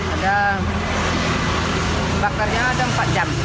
ada bakarnya ada empat jam